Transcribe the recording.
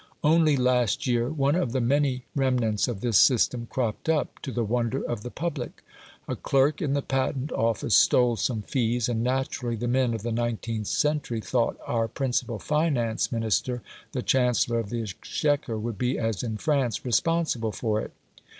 Only last year one of the many remnants of this system cropped up, to the wonder of the public. A clerk in the Patent Office stole some fees, and naturally the men of the nineteenth century thought our principal Finance Minister, the Chancellor of the Exchequer, would be, as in France, responsible for it.